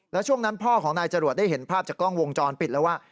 แล้วช่วงนั้นพ่อของนายจรวดได้เห็นภาพจากกล้องวงจรปิดแล้วว่า